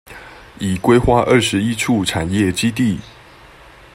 已規劃二十一處產業基地